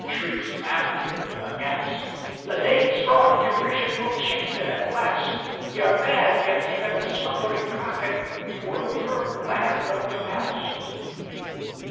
Shrieks Mammon aghast; "The day's broad derision Will chase it at last; Ye are mad, ye have taken, A slumbering kraken For firm land of the Past!"